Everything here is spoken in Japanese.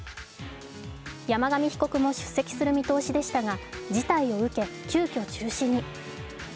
山上被告も出席する見通しでしたが事態を受け、急きょ中止に。